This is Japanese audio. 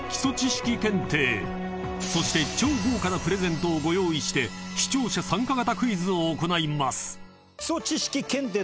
［そして超豪華なプレゼントをご用意して視聴者参加型クイズを行います］